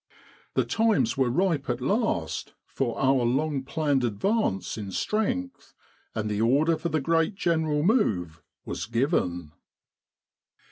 The times were ripe at last for our long planned advance in strength, and the order for the great general move was given.